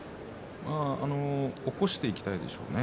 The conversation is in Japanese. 起こしていきたいでしょうね。